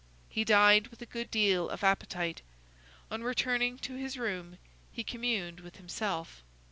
He dined with a good deal of appetite. On returning to his room, he communed with himself.